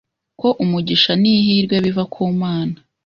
ko umugisha n’ihirwe biva ku Mana.